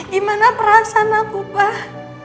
gimana perasaan aku pak